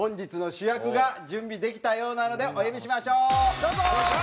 どうぞ！